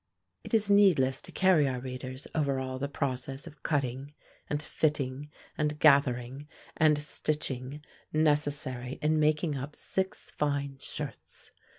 It is needless to carry our readers over all the process of cutting, and fitting, and gathering, and stitching, necessary in making up six fine shirts.